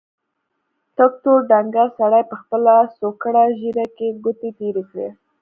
تک تور ډنګر سړي په خپله څوکړه ږيره کې ګوتې تېرې کړې.